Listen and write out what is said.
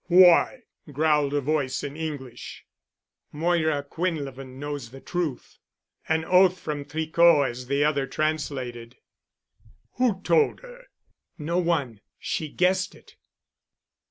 "Why?" growled a voice in English. "Moira Quinlevin knows the truth." An oath from Tricot as the other translated. "Who told her?" "No one. She guessed it."